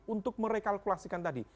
untuk merekalkulasikan tadi